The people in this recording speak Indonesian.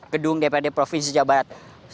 gedung dprd provinsi jawa barat